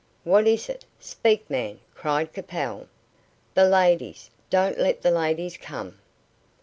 "What is it? Speak, man!" cried Capel. "The ladies! Don't let the ladies come!"